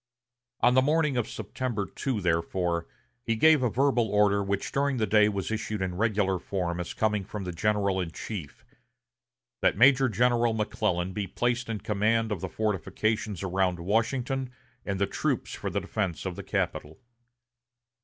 On the morning of September 2, therefore, he gave a verbal order, which during the day was issued in regular form as coming from the general in chief, that Major General McClellan be placed in command of the fortifications around Washington and the troops for the defense of the capital.